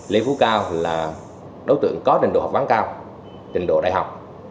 lê phú cao là đối tượng có trình độ học ván cao trình độ đại học